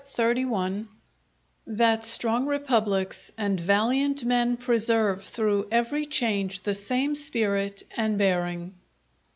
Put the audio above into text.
—_That strong Republics and valiant Men preserve through every change the same Spirit and Bearing.